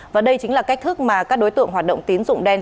và đây chính là cách thức mà các đối tượng hoạt động tín dụng đen